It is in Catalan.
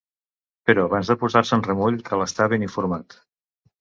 Però abans de posar-se en remull cal estar ben informat.